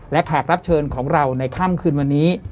และแขกรับเชิญของเราในค่ำคืนวันนี้